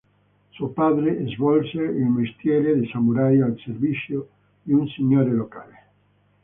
Suo padre svolse il mestiere di samurai al servizio di un signore locale.